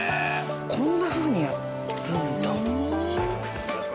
こんなふうにやるんだ。